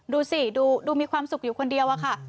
ดูสิดูมีความสุขอยู่คนเดียวอะค่ะ